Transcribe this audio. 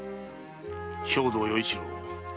兵藤与一郎